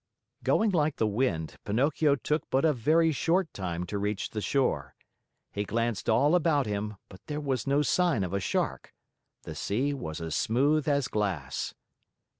Going like the wind, Pinocchio took but a very short time to reach the shore. He glanced all about him, but there was no sign of a Shark. The sea was as smooth as glass.